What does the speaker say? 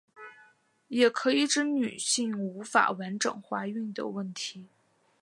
也可以指女性无法完整怀孕的问题。